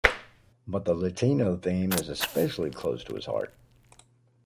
But the Latino theme is especially close to his heart.